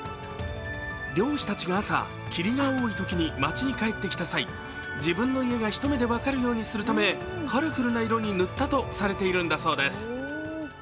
漁師たちが朝、霧が多いときに町に帰ってきた際、自分の家が一目で分かるようにするため、カラフルな色に塗ったとされているそうです。